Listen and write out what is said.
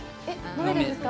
飲めるんですか？